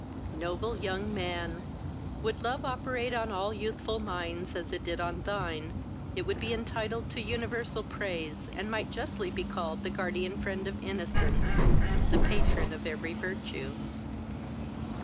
Noble young man! would love operate on all youthful minds as it did on thine, it would be entitled to universal praise, and might justly be called the guardian friend of innocence, the patron of every virtue.